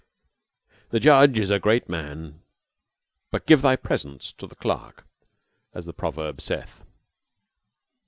"The judge is a great man, but give thy presents to the clerk," as the proverb saith.